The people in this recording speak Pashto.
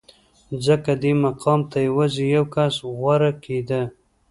ځکه دې مقام ته یوازې یو کس غوره کېده